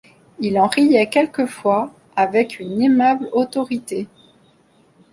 Il en riait quelquefois, avec une aimable autorité